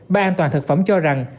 ban an toàn thực phẩm cho rằng